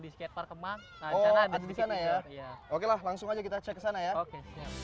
di skatepark kemang oh ada di sana ya ya okelah langsung aja kita cek ke sana ya oke